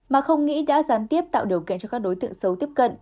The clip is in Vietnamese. mà không nghĩ đã gián tiếp tạo điều kiện cho các đối tượng xấu tiếp cận